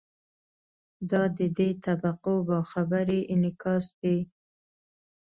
دا د دې طبقو باخبرۍ انعکاس دی.